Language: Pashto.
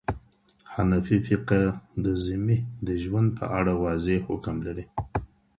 حنفي فقه د ذمي د ژوند په اړه واضح حکم لري.